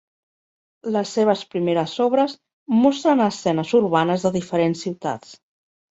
Les seves primeres obres mostren escenes urbanes de diferents ciutats.